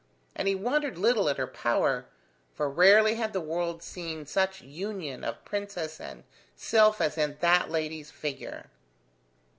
And he wondered little at her power, for rarely had the world seen such union of princess and sylph as in that lady's figure.